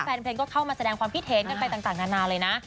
แฟนเพลงก็เข้ามาแสดงความคิดเห็นกันไปต่างนานาเลยนะ